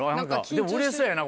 でも売れそうやな